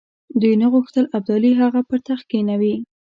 دوی نه غوښتل ابدالي هغه پر تخت کښېنوي.